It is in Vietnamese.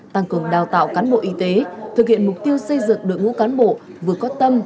tăng cường đào tạo cán bộ y tế thực hiện mục tiêu xây dựng đội ngũ cán bộ vừa có tâm